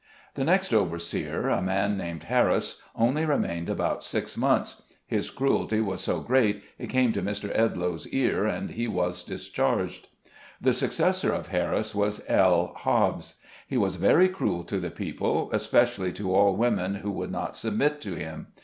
The next overseer, a man named Harris, only remained about six months ; his cruelty was so great, it came to Mr. Edloe's ear, and he was discharged. The successor of Harris was L. Hobbs. He was very cruel to the people, especially to all women who would not submit to him.